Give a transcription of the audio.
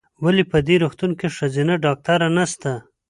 ولې په دي روغتون کې ښځېنه ډاکټره نسته ؟